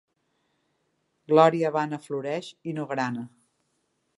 Glòria vana floreix i no grana.